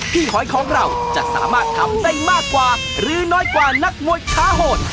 หอยของเราจะสามารถทำได้มากกว่าหรือน้อยกว่านักมวยค้าโหด